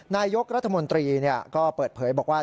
นายกรัฐมนตรีก็เปิดเผยบอกว่า